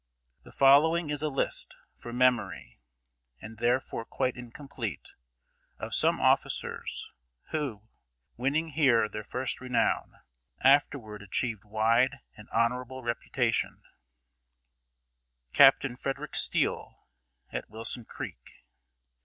The following is a list from memory, and therefore quite incomplete of some officers, who, winning here their first renown, afterward achieved wide and honorable reputation: AT WILSON CREEK.